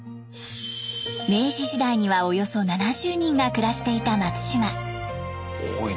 明治時代にはおよそ７０人が暮らしていた松島。